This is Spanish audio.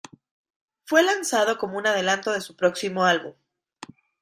Fue lanzado como un adelanto de su próximo álbum.